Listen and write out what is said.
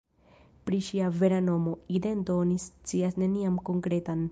Pri ŝia vera nomo, idento oni scias nenian konkretan.